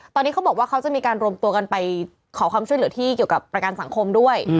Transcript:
ตอนนี้เขาบอกว่าเขาจะมีการรวมตัวกันไปขอความช่วยเหลือที่เกี่ยวกับประกันสังคมด้วย